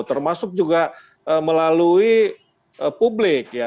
termasuk juga melalui publik ya